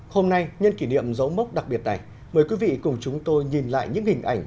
hôm nay nhân kỷ niệm dấu mốc đặc biệt này mời quý vị cùng chúng tôi nhìn lại những hình ảnh